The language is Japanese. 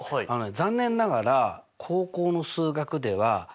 残念ながら高校の数学ではええ！？